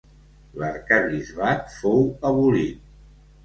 L'arquebisbat fou abolit.